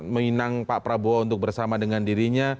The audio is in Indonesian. menginang pak prabowo untuk bersama dengan dirinya